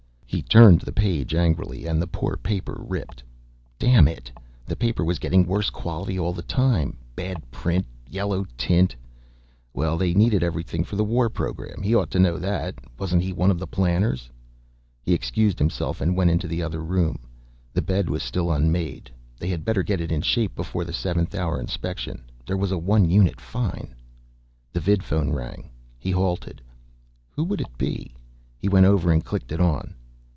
He turned the page angrily and the poor paper ripped. Damn it, the paper was getting worse quality all the time, bad print, yellow tint Well, they needed everything for the war program. He ought to know that. Wasn't he one of the planners? He excused himself and went into the other room. The bed was still unmade. They had better get it in shape before the seventh hour inspection. There was a one unit fine The vidphone rang. He halted. Who would it be? He went over and clicked it on.